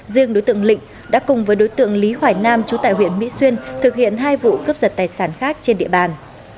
riêng đối tượng lịnh đã cùng với đối tượng lý hoài nam trú tại huyện mỹ xuyên thực hiện hai vụ cướp giật tài sản khác trên địa bàn